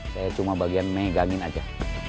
saya cuma bagian megangin aja